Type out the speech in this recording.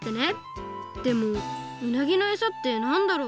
でもうなぎのエサってなんだろう？